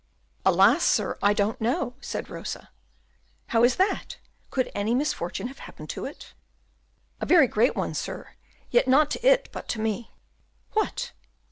"Alas! sir, I don't know," said Rosa. "How is that? could any misfortune have happened to it?" "A very great one, sir; yet not to it, but to me." "What?"